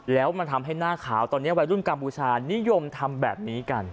แล้วมันทำให้หน้าขาวตอนนี้วัยรุ่นกัมพูชานิยมทำแบบนี้กัน